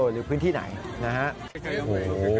หรือพื้นที่ไหนนะครับ